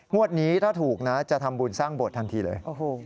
มวดนี้ถ้าถูกก็จะทำบุญสร้างโบทที่เลย